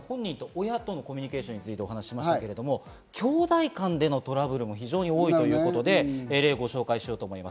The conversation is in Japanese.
今、本人と親とのコミュニケーションについてお話しましたが、きょうだい間でのトラブルも非常に多いということです。